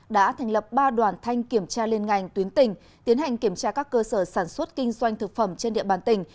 đã thành lập ba đoàn thanh kiểm tra liên ngành tuyến tỉnh tiến hành kiểm tra các cơ sở sản xuất kinh doanh thực phẩm trên địa bàn tỉnh